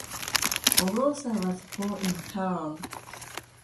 Orosa was born in Taal.